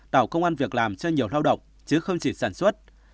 tạo công an việc làm cho nhiều lao động chứ không chỉ sản xuất